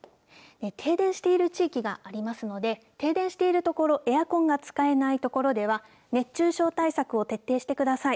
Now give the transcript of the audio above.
停電している地域がありますので停電しているところエアコンが使えないところでは熱中症対策を徹底してください。